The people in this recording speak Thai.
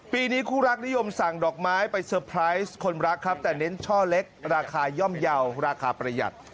ปีนี้คู่รักนิยมสั่งดอกไม้ไปเซอร์ไพรส์คนรักครับแต่เน้นช่อเล็กราคาย่อมเยาว์ราคาประหยัด